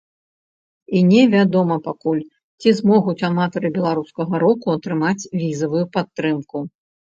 І не вядома пакуль, ці змогуць аматары беларускага року атрымаць візавую падтрымку.